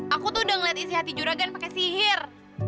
aku tuh udah ngeliat isi hati juragan pakai sihir